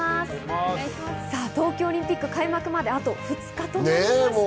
東京オリンピック開幕まであと２日となりました。